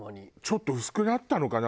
ちょっと薄くなったのかな？